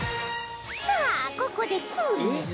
さあここでクイズ